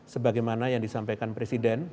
sebagaimana yang disampaikan presiden